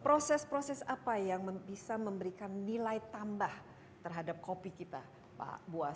proses proses apa yang bisa memberikan nilai tambah terhadap kopi kita pak buas